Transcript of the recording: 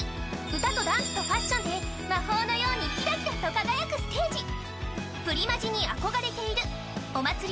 歌とダンスとファッションで魔法のようにキラキラと輝くステージプリマジにあこがれているお祭り